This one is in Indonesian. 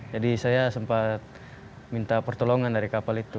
jadi saya sempat minta pertolongan dari kapal itu